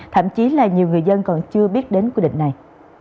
thậm chí là nhiều người dân còn chưa biết đến quy định này